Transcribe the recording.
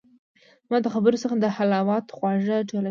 زما د خبرو څخه د حلاوت خواږه ټولوي